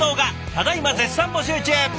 ただいま絶賛募集中！